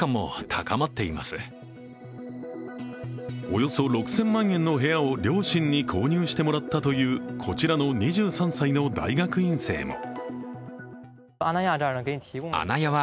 およそ６０００万円の部屋を、両親に購入してもらったというこちらの２３歳の大学院生も。